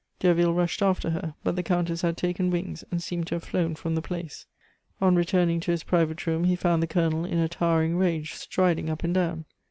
Derville rushed after her; but the Countess had taken wings, and seemed to have flown from the place. On returning to his private room, he found the Colonel in a towering rage, striding up and down.